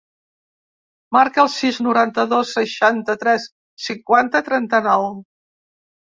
Marca el sis, noranta-dos, seixanta-tres, cinquanta, trenta-nou.